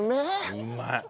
うまい！